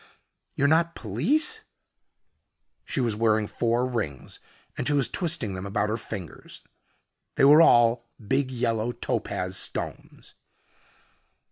"You're not police " She was wearing four rings and she was twisting them about her fingers. They were all big yellow topaz stones.